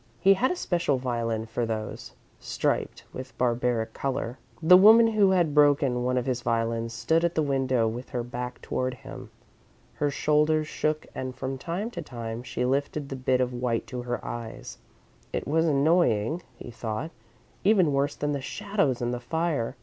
He had a special violin for those, striped with barbaric colour. The woman who had broken one of his violins stood at the window with her back toward him. Her shoulders shook and from time to time she lifted the bit of white to her eyes. It was annoying, he thought; even worse than the shadows and the fire.